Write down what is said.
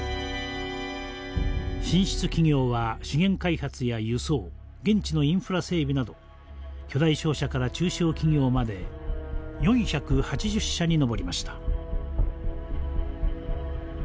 進出企業は資源開発や輸送現地のインフラ整備など巨大商社から中小企業まで４８０社に上りました。